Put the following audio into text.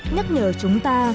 nhắc nhở chúng ta